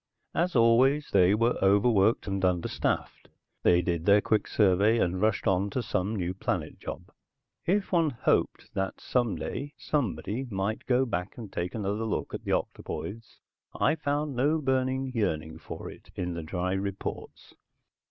As always, they were overworked and understaffed, they did their quick survey and rushed on to some new planet job. If one hoped that someday somebody might go back and take another look at the octopoids I found no burning yearning for it in the dry reports.